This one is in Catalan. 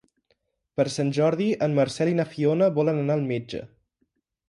Per Sant Jordi en Marcel i na Fiona volen anar al metge.